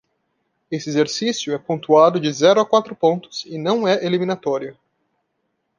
Este exercício é pontuado de zero a quatro pontos e não é eliminatório.